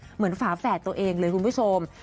เหมือนฝาแฝดตัวเองเลยคุณผู้ชม